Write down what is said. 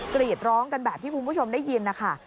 กรีดร้องกันแบบที่คุณผู้ชมได้ยินนะคะ